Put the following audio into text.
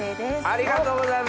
ありがとうございます！